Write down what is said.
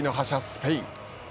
スペイン。